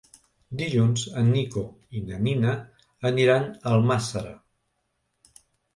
Dilluns en Nico i na Nina aniran a Almàssera.